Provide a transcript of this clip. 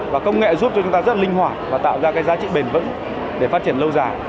và công nghệ giúp cho chúng ta rất linh hoạt và tạo ra cái giá trị bền vững để phát triển lâu dài